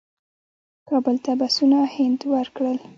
کابل ته بسونه هند ورکړل.